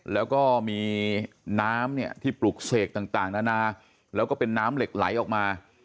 แล้วก็มีน้ำเนี่ยที่ปลุกเสกต่างนานาแล้วก็เป็นน้ำเหล็กไหลออกมา